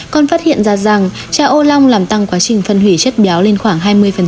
còn phát hiện ra rằng cha ô long làm tăng quá trình phân hủy chất béo lên khoảng hai mươi